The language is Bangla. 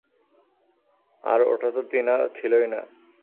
আর ওটা তো টিনা ছিলোই না।